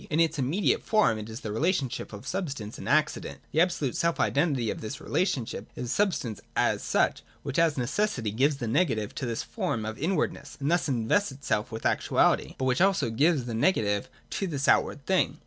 In its immediate form it is the relationship of Sub stance and Accident. The absolute self identity of this relationship is Substance as such, which as necessity gives the negative to this form of inwardness, and thus invests itself with actuality, but which also gives the negative to this outward thing.